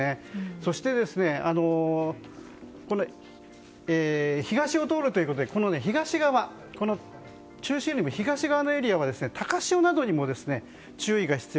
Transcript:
そして、東を通るということで中心部よりも東側のエリアは高潮などにも注意が必要。